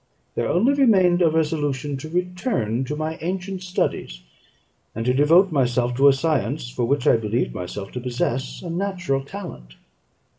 There only remained a resolution to return to my ancient studies, and to devote myself to a science for which I believed myself to possess a natural talent.